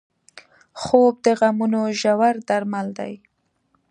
خوب د غمونو ژور درمل دی